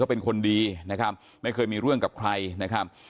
เป็นคนดีนะครับไม่เคยมีเรื่องกับใครนะครับ